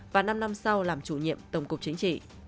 và năm năm sau làm chủ nhiệm tổng cục chính trị